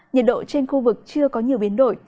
nhiệt độ trên khu vực chưa có nhiều biến đổi